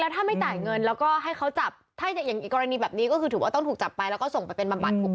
ถ้าไม่จับเงินแล้วก็ให้เริ่มการลับที่ตำรวจจับกรณีแปละพักมาแล้วก็ส่งมาเป็นบัด